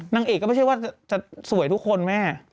นางเอกก็ไม่ใช่ว่าจะสวยทุกคนแม่